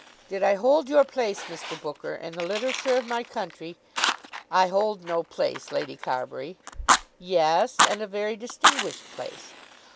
"Did I hold your place, Mr. Booker, in the literature of my country, " "I hold no place, Lady Carbury." "Yes; and a very distinguished place.